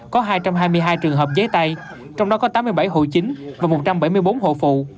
có hai trăm hai mươi hai trường hợp giấy tay trong đó có tám mươi bảy hộ chính và một trăm bảy mươi bốn hộ phụ